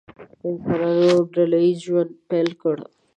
انسانانو ډله ییز ژوند پیل کړی.